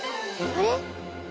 あれ？